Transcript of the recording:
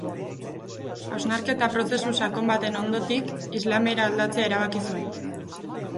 Hausnarketa prozesu sakon baten ondotik, islamera aldatzea erabaki zuen.